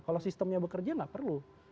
kalau sistemnya bekerja nggak perlu